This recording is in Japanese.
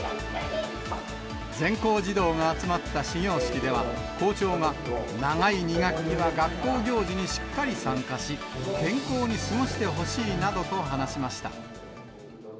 全校児童が集まった始業式では、校長が、長い２学期は学校行事にしっかり参加し、健康に過ごしてほしいなどと話しました。